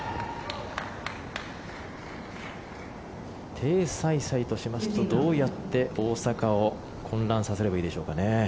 テイ・サイサイとしましてどうやって大坂を混乱させればいいでしょうかね。